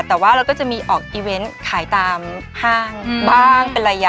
แต่ว่าเราก็จะมีออกอีเวนต์ขายตามห้างบ้างเป็นระยะ